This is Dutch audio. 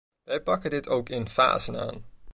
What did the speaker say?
Wij pakken dit ook in fasen aan.